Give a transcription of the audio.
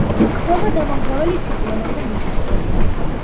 ხდება დამანგრეველი ციკლონები და მიწისძვრები.